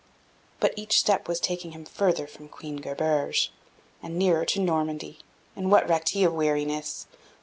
But each step was taking him further from Queen Gerberge, and nearer to Normandy; and what recked he of weariness?